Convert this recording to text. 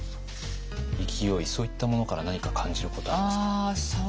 勢いそういったものから何か感じることありますか？